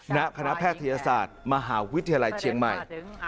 ณคณะแพทยศาสตร์มหาวิทยาลัยเชียงใหม่